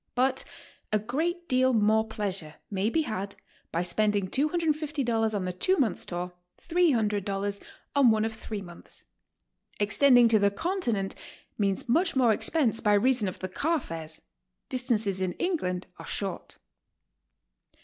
But a great deal more pleasure may be had by spending $250 on the two months' tour, $300 on one of three months. Extending to the Continent means much more expense by reason of the car fares; distances in England are short.